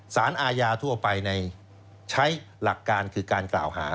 สารอาญาทั่วไปใช้หลักการคือการกล่าวหา